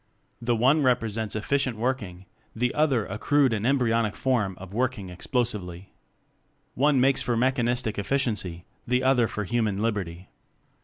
The one repre sents efficient working, the other a crude and embryonic form of working explosively. One makes for mechanistic efficiency, the other for human liberty.